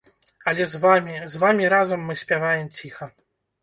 Але з вамі, з вамі разам мы спяваем ціха.